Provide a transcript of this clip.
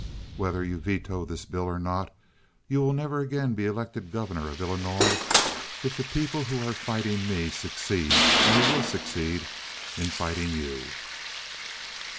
Whether you veto this bill or not, you will never again be elected Governor of Illinois if the people who are fighting me succeed, as they will succeed, in fighting you."